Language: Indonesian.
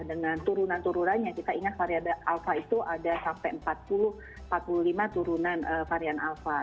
dengan turunan turunannya kita ingat varian alpha itu ada sampai empat puluh lima turunan varian alpha